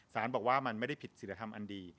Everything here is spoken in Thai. สารบอกว่ามันไม่ได้ผิดศิลธรรมอันดี